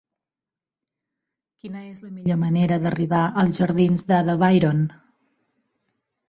Quina és la millor manera d'arribar als jardins d'Ada Byron?